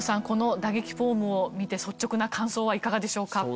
この打撃フォームを見て率直な感想はいかがでしょうか？